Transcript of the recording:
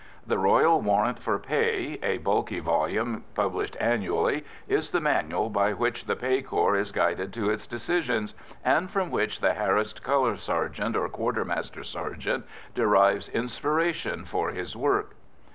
The Royal Warrant for Pay, a bulky volume published annually, is the manual by which the Pay Corps is guided to its decisions, and from which the harassed colour sergeant or quartermaster sergeant derives inspiration for his work.